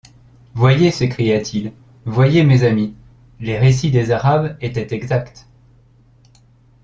Voyez! s’écria-t-il, voyez, mes amis ! les récits des Arabes étaient exacts !